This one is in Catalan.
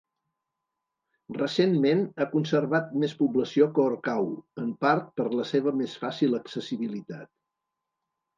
Recentment ha conservat més població que Orcau, en part per la seva més fàcil accessibilitat.